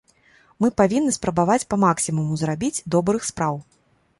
Мы павінны спрабаваць па-максімуму зрабіць добрых спраў.